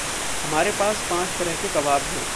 हमारे पास पाँच तरह के कबाब हैं।